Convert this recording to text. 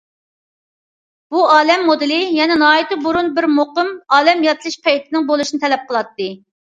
بۇ ئالەم مودېلى يەنە ناھايىتى بۇرۇن بىر مۇقىم« ئالەم يارىتىلىش» پەيتىنىڭ بولۇشىنى تەلەپ قىلاتتى.